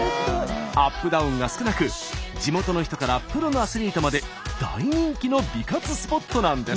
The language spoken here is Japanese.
アップダウンが少なく地元の人からプロのアスリートまで大人気の美活スポットなんです。